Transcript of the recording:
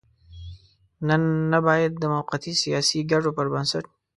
نن نه بايد د موقتي سياسي ګټو پر بنسټ.